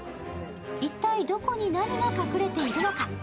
一体どこに何が隠れているのか？